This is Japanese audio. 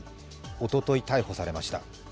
おととい、逮捕されました。